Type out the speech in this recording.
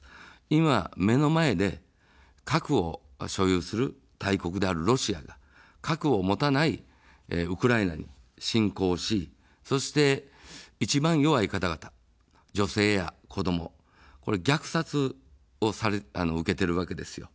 今、目の前で核を所有する大国であるロシアが核を持たないウクライナに侵攻をし、そして、一番弱い方々、女性や子ども、虐殺を受けているわけですよ。